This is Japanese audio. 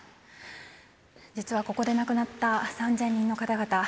実はここで亡くなった３０００人の方々